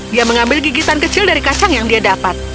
dia mengambil gigitan kecil dari kacang yang dia dapat